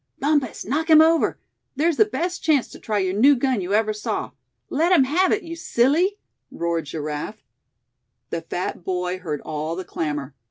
"Bumpus, knock him over! There's the best chance to try your new gun you ever saw! Let him have it, you silly!" roared Giraffe. The fat boy heard all the clamor.